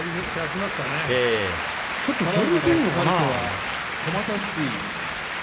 ちょっと取りにくいのかな。